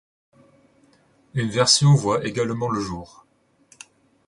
Une version voit également le jour.